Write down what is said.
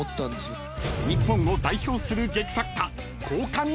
［日本を代表する劇作家］